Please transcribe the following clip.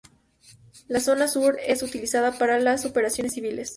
La zona sur es utilizada para las operaciones civiles.